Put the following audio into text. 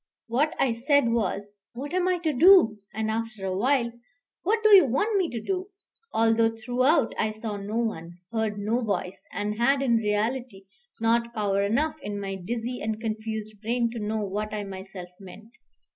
What I said was, "What am I to do?" and after a while, "What do you want me to do?" although throughout I saw no one, heard no voice, and had in reality not power enough in my dizzy and confused brain to know what I myself meant.